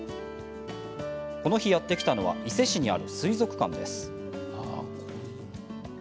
この日、やって来たのは伊勢市にある水族館です。